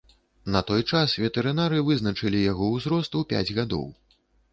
На той час ветэрынары вызначылі яго ўзрост у пяць гадоў.